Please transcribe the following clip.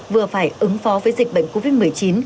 vừa phải ứng phó với dịch bệnh covid một mươi chín